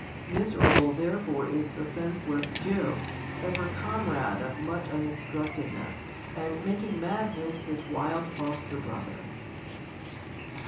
miserable therefore is the senseless Jew, ever comrade of much uninstructedness, and making madness his wild foster brother.